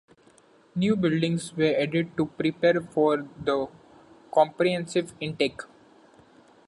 New buildings were added to prepare for the comprehensive intake.